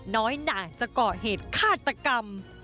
น้อยหนาจะเกาะเหตุฆาตกรรม